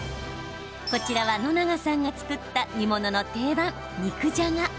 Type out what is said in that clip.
こちらは野永さんが作った煮物の定番、肉じゃが。